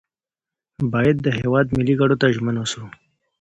باید د هیواد ملي ګټو ته ژمن اوسو.